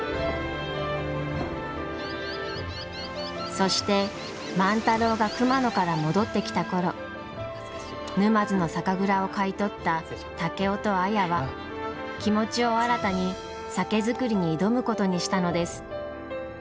そして万太郎が熊野から戻ってきた頃沼津の酒蔵を買い取った竹雄と綾は気持ちを新たに酒造りに挑むことにしたのです。